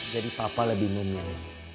jadi papa lebih memilih